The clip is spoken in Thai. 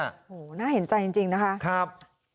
โอ้โหน่าเห็นใจจริงนะคะครับ